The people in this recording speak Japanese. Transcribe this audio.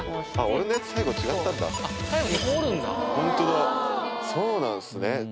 俺のやつ最後違ったんだそうなんすね